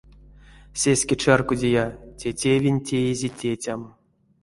Сеске чарькодия: те тевенть теизе тетям.